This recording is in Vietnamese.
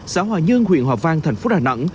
xã hòa nhơn huyện hòa vang thành phố đà nẵng